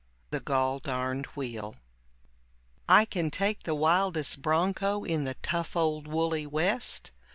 THE GOL DARNED WHEEL I can take the wildest bronco in the tough old woolly West.